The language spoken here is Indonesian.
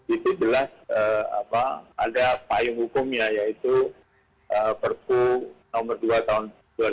itu jelas ada payung hukumnya yaitu perbu no dua tahun dua ribu tujuh belas